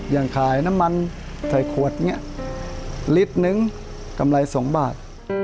อย่างขายน้ำมันใส่ขวดเนี่ยลิตรนึงกำไร๒บาท